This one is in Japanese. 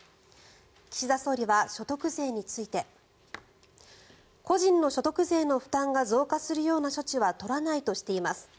岸田総理は、所得税について個人の所得税の負担が増加するような処置は取らないとしています。